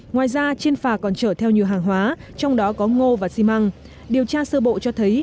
ngoài ra trên phà còn chở theo nhiều hàng hóa trong đó có ngô và xi măng điều tra sơ bộ cho thấy